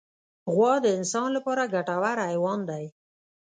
غوا د انسان لپاره ګټور حیوان دی.